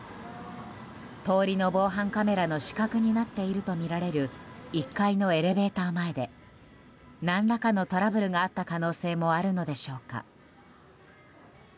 通りの防犯カメラの死角になっているとみられる１階のエレベーター前で何らかのトラブルがあった可能性もあるのでしょうか。